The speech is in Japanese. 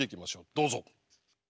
どうぞ。